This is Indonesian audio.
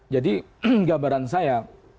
jadi gambaran saya